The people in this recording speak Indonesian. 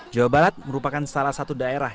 jawa barat merupakan salah satu daerah